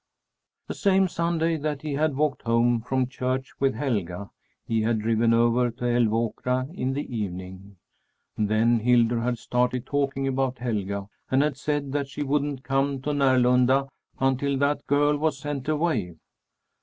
The same Sunday that he had walked home from church with Helga, he had driven over to Älvåkra in the evening. Then Hildur had started talking about Helga and had said that she wouldn't come to Närlunda until that girl was sent away.